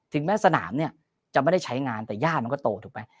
แม้สนามเนี่ยจะไม่ได้ใช้งานแต่ย่ามันก็โตถูกไหม